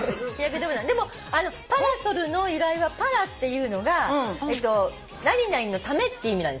でもｐａｒａｓｏｌの由来はパラっていうのが何々のためって意味なんですよ。